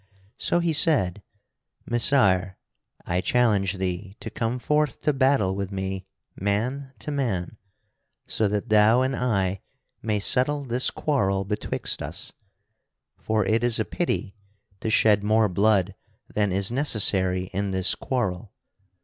So he said: "Messire, I challenge thee to come forth to battle with me man to man so that thou and I may settle this quarrel betwixt us, for it is a pity to shed more blood than is necessary in this quarrel.